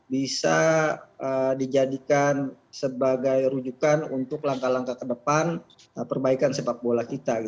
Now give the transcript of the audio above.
bisa dijadikan sebagai rujukan untuk langkah langkah ke depan perbaikan sepak bola kita